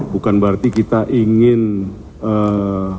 bukan berarti kita ingin ee